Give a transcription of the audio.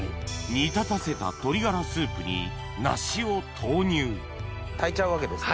煮立たせた鶏ガラスープに梨を投入炊いちゃうわけですね。